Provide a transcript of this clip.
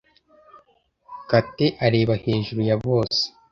Kate areba hejuru ya bose.